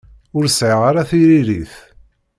Ur sɛiɣ ara tiririt.